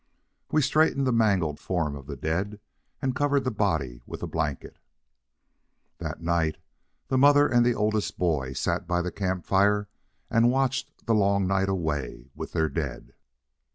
We straightened the mangled form of the dead, and covered the body with a blanket. That night the mother and the oldest boy sat by the campfire and watched the long night away with their dead.